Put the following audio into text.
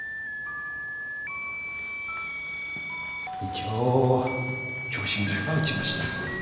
一応強心剤は打ちました。